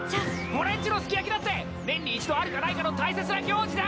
俺んちのすき焼きだって年に一度あるかないかの大切な行事だ！